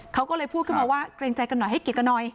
เขาก็เลยพูดขึ้นมาว่าเกรงใจกันหน่อยให้เกียรติกันหน่อย